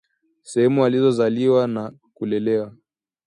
sehemu alikozaliwa na kulelewa